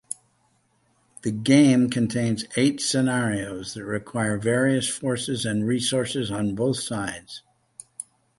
The game contains eight scenarios that require various forces and resources on both sides.